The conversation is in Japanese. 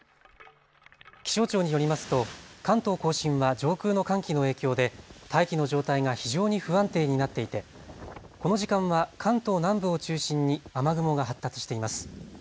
気象庁によりますと関東甲信は上空の寒気の影響で大気の状態が非常に不安定になっていてこの時間は関東南部を中心に雨雲が発達しています。